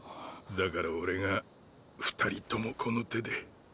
だから俺が二人ともこの手で。